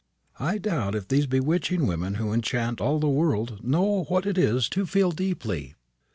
I doubt if these bewitching women who enchant all the world know what it is to feel deeply.